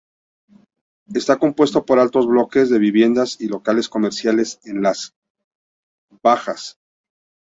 Está compuesto por altos bloques de viviendas y locales comerciales en los bajos.